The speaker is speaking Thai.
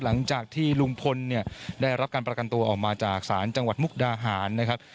หลังจากที่ลุงพลเนี่ยได้รับการประกันตัวออกมาจากศาลจังหวัดมุกดาหารนะครับ